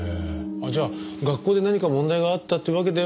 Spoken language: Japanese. じゃあ学校で何か問題があったっていうわけでは？